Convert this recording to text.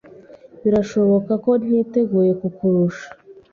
Birashoboka ko niteguye kukurusha.